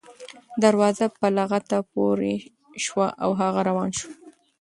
دروازه په لغته پورې شوه او هغه روان شو.